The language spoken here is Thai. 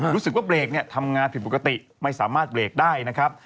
รู้สึกว่าเบรกเนี่ยทำงานผิดปกติไม่สามารถเบรกได้นะครับ